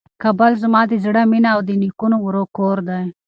کابل زما د زړه مېنه او د نیکونو کور دی.